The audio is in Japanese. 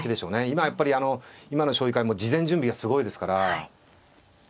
今やっぱりあの今の将棋界もう事前準備がすごいですから。